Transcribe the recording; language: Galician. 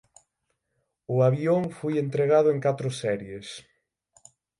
O avión foi entregado en catro series.